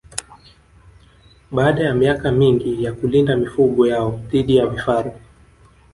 Baada ya miaka mingi ya kulinda mifugo yao dhidi ya vifaru